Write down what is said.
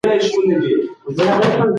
هغه ماشوم چي په مينه لوست کوي بريالی دی.